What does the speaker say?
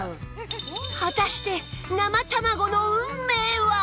果たして生卵の運命は？